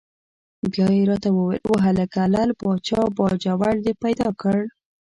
بیا یې را ته وویل: وهلکه لعل پاچا باجوړ دې پیدا کړ؟!